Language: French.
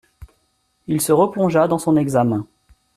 Il se replongea dans son examen.